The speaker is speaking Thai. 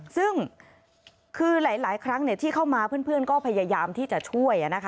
ซึ่งคือหลายครั้งที่เข้ามาเพื่อนก็พยายามที่จะช่วย